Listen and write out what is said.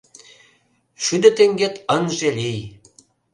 ШӰДӦ ТЕҤГЕТ ЫНЖЕ ЛИЙ